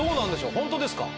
本当ですか？